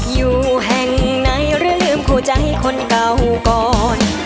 อยู่แห่งในระยอยลืมหัวใจคนเก่าก่อน